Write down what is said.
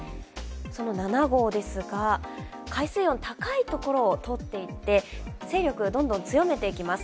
その７号ですが、海水温高いところを通っていって勢力をどんどん強めていきます。